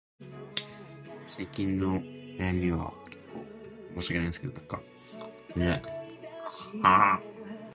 It was founded during the Great Depression and led by Paul Gouin.